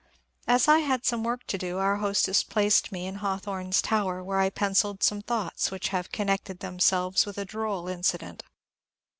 As I had some work to do our hostess placed me iu Haw home's tower, where I pencilled some thoughts which have connected themselves with a droll incident.